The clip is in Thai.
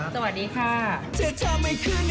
สวัสดีครับ